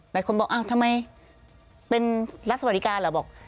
หลายคนบอกทำไมเป็นรัฐสวัสดิการเหรอ